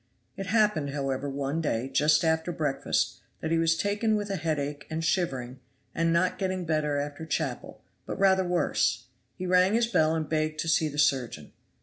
It happened, however, one day, just after breakfast, that he was taken with a headache and shivering; and not getting better after chapel, but rather worse, he rang his bell and begged to see the surgeon.